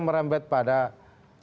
merembet pada ekonomi